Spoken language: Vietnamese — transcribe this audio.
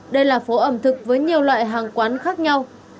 đây là phố ẩm thực với nhiều loại hàng quán khác nhau